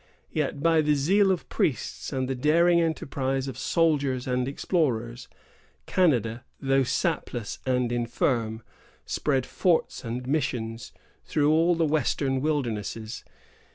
Yet, by the zeal of priests and the daring enterprise of soldiers and explorers, Canada, though sapless and infirm, spread forts and missions through all the western wilderness.